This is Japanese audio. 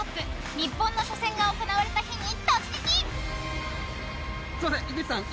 日本の初戦が行われた日に突撃！